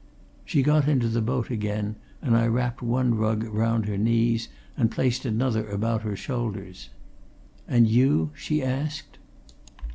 She got into the boat again and I wrapped one rug round her knees and placed another about her shoulders. "And you?" she asked.